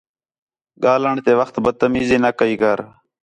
ڳاھلݨ تے وَخت بد تمیزی نہ کَئی کر